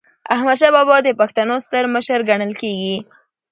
احمدشاه بابا د پښتنو ستر مشر ګڼل کېږي.